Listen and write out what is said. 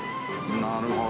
なるほど。